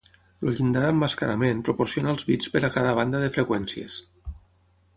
El llindar d'emmascarament proporciona els bits per a cada banda de freqüències.